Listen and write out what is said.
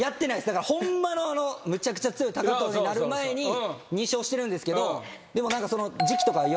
だからホンマのあのむちゃくちゃ強い藤になる前に２勝してるんですけど。